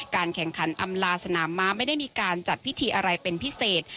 แข่งขันอำลาสนามม้าไม่ได้มีการจัดพิธีอะไรเป็นพิเศษ